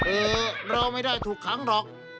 เราไม่ได้ถูกขังหรอก